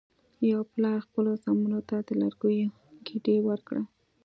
یو پلار خپلو زامنو ته د لرګیو ګېډۍ ورکړه.